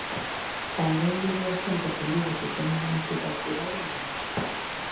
Cando un lle di á xente que en Vigo fixemos un hospital privado, mente.